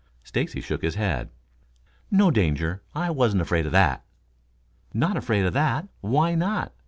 Stacy shook his head. "No danger. I wasn't afraid of that!" "Not afraid of that? Why not?"